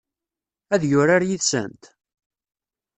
Ad yurar yid-sent?